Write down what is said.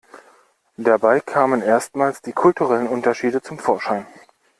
Dabei kamen erstmals die kulturellen Unterschiede zum Vorschein.